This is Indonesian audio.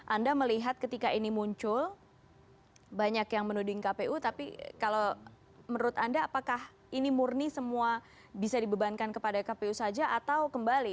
anda melihat ketika ini muncul banyak yang menuding kpu tapi kalau menurut anda apakah ini murni semua bisa dibebankan kepada kpu saja atau kembali